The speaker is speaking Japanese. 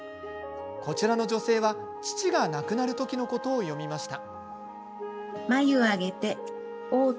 こちらの女性は父が亡くなる時のことを詠みました。